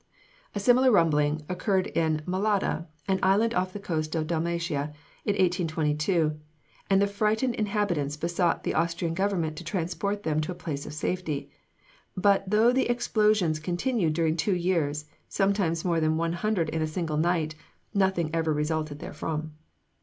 ] A similar rumbling occurred in Melada, an island off the coast of Dalmatia, in 1822, and the frightened inhabitants besought the Austrian government to transport them to a place of safety; but though the explosions continued during two years, sometimes more than one hundred in a single night, nothing ever resulted therefrom.